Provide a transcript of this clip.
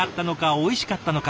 おいしかったのか？